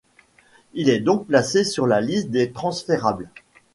Il est donc placé sur la liste des transférables.